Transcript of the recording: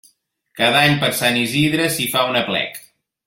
Cada any per Sant Isidre s'hi fa un aplec.